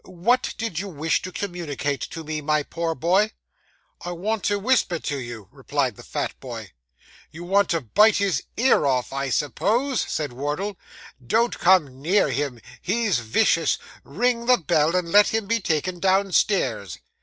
What did you wish to communicate to me, my poor boy?' 'I want to whisper to you,' replied the fat boy. 'You want to bite his ear off, I suppose,' said Wardle. 'Don't come near him; he's vicious; ring the bell, and let him be taken downstairs.